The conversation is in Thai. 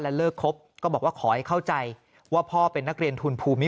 เลิกครบก็บอกว่าขอให้เข้าใจว่าพ่อเป็นนักเรียนทุนภูมิ